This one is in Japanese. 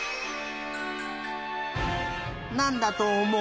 なんだとおもう？